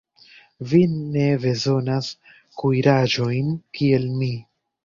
Vi ne bezonas kuiraĵojn, kiel mi.